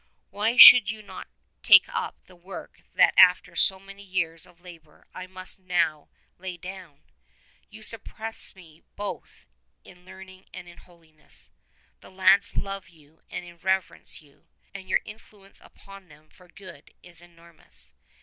Why should you not take up the work that after so many years of labour I must now lay down? You surpass me both in learning and in holiness. The lads love you and reverence you, and your influence upon them for good is enormous..